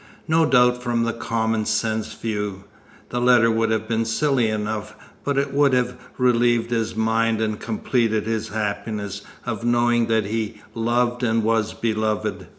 No doubt, from a common sense view, the letter would have been silly enough, but it would have relieved his mind and completed his happiness of knowing that he loved and was beloved.